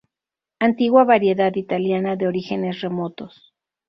Antigua variedad italiana de orígenes remotos.